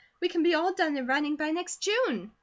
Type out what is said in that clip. We can be all done and running by next June."